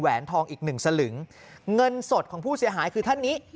แหวนทองอีก๑สลึงเงินสดของผู้เสียหายคือท่านนี้